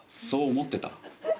そう思ってた？